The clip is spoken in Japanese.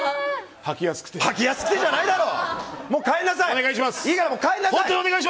履きやすくてじゃないだろ！